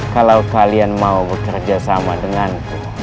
kalau kalian mau bekerja sama denganku